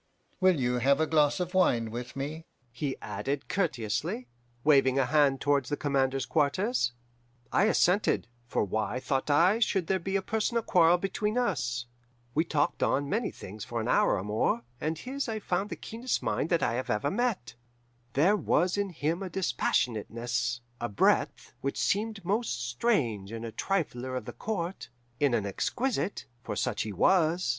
Will you have a glass of wine with me?' he added courteously, waving a hand towards the commander's quarters. "I assented, for why, thought I, should there be a personal quarrel between us? We talked on many things for an hour or more, and his I found the keenest mind that ever I have met. There was in him a dispassionateness, a breadth, which seemed most strange in a trifler of the Court, in an exquisite for such he was.